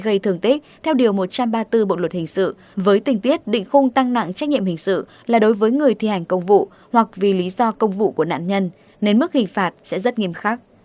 gây thương tích theo điều một trăm ba mươi bốn bộ luật hình sự với tình tiết định khung tăng nặng trách nhiệm hình sự là đối với người thi hành công vụ hoặc vì lý do công vụ của nạn nhân nên mức hình phạt sẽ rất nghiêm khắc